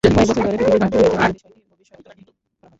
কয়েক বছর ধরে পৃথিবী ধ্বংস হয়ে যাবে বলে বেশ কয়েকটি ভবিষ্যদ্বাণী করা হয়।